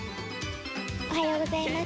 「おはようございます。